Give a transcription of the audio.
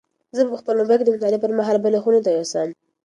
زه به خپل موبایل د مطالعې پر مهال بلې خونې ته یوسم.